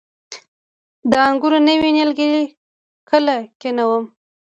د انګورو نوي نیالګي کله کینوم؟